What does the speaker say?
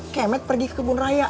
kemet pergi kebun raya